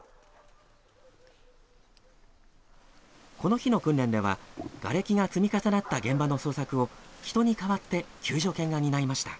この日の訓練ではがれきが積み重なった現場の捜索を人に代わって救助犬が担いました。